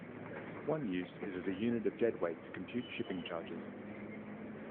One use is as a unit of deadweight to compute shipping charges.